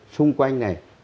xung quanh này